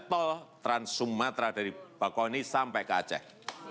tol trans sumatera dari bakoni sampai ke aceh